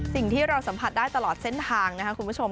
สิ่งที่เราสัมผัสได้ตลอดเส้นทางนะครับคุณผู้ชม